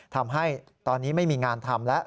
ทำให้ตอนนี้ไม่มีงานทำแล้ว